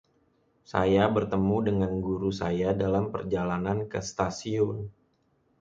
Saya bertemu dengan guru saya dalam perjalanan ke stasiun.